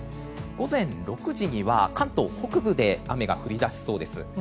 午前６時には関東北部で雨が降り出しそうです。